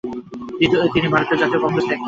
তিনি ভারতীয় জাতীয় কংগ্রেস ত্যাগ করেন।